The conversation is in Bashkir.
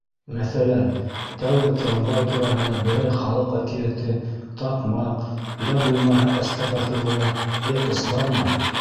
Мәҫәлән, тәүге трамвай тураһында берәй халыҡ әкиәте, таҡмаҡ, йә булмаһа, әстәғәфирулла, эпос бармы?